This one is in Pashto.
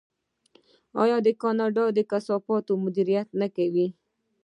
آیا کاناډا د کثافاتو مدیریت نه کوي؟